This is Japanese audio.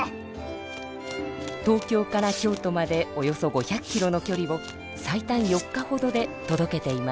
東京から京都までおよそ５００キロのきょりを最短４日ほどでとどけていました。